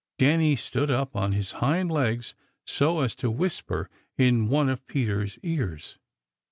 Danny stood up on his hind legs so as to whisper in one of Peter's ears.